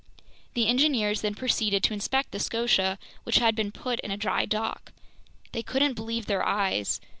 The engineers then proceeded to inspect the Scotia, which had been put in dry dock. They couldn't believe their eyes.